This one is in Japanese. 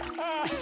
し。